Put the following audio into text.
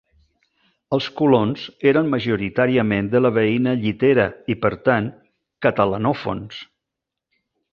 Els colons eren majoritàriament de la veïna Llitera, i, per tant, catalanòfons.